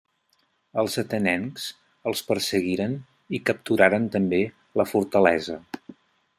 Els atenencs els perseguiren i capturaren també la fortalesa.